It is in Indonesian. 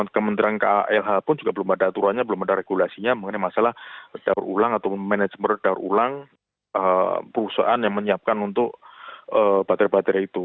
kementerian kalh pun juga belum ada aturannya belum ada regulasinya mengenai masalah daur ulang atau manajemen daur ulang perusahaan yang menyiapkan untuk baterai baterai itu